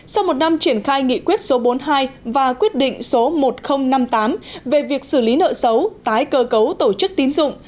sau một năm triển khai nghị quyết số bốn mươi hai và quyết định số một nghìn năm mươi tám về việc xử lý nợ xấu tái cơ cấu tổ chức tín dụng